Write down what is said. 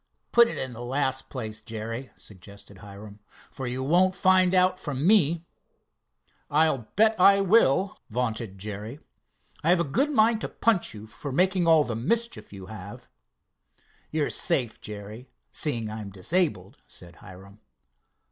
"Put it in the last place, Jerry," suggested Hiram, "for you won't find out from me." "I'll bet I will," vaunted Jerry. "I have a good mind to punch you for making all the mischief you have." "You're safe, Jerry, seeing I'm disabled," said Hiram.